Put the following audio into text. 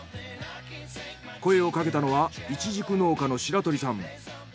声をかけたのはイチジク農家の白鳥さん。